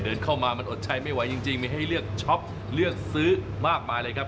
เดินเข้ามามันอดใจไม่ไหวจริงมีให้เลือกช็อปเลือกซื้อมากมายเลยครับ